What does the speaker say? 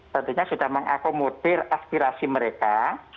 tentunya sudah mengakomodir aspirasi mereka